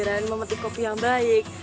memetik kopi yang baik